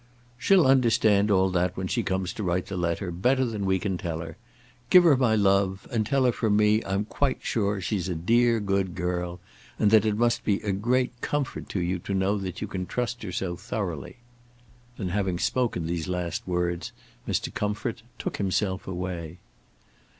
"She'll understand all that when she comes to write the letter better than we can tell her. Give her my love; and tell her from me I'm quite sure she's a dear, good girl, and that it must be a great comfort to you to know that you can trust her so thoroughly." Then, having spoken these last words, Mr. Comfort took himself away.